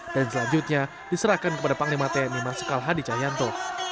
dan selanjutnya diserahkan kepada panglima tni marsikal hadi cayanto